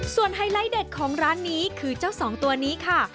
ไฮไลท์เด็ดของร้านนี้คือเจ้าสองตัวนี้ค่ะ